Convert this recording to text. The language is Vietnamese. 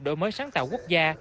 đổi mới sáng tạo quốc gia